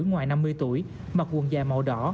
ngoài năm mươi tuổi mặc quần dài màu đỏ